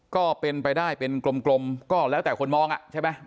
ก็เป็นไปได้เป็นกลมก็แล้วแต่คนมองอ่ะใช่ไหม